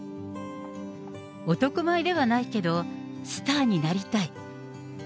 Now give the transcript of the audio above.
男前ではないけど、スターになりたい。